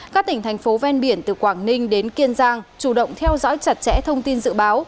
các tỉnh thành phố ven biển từ quảng ninh đến kiên giang chủ động theo dõi chặt chẽ thông tin dự báo